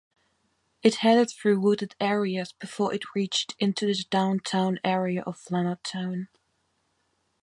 It headed through wooded areas before it reached into the downtown area of Leonardtown.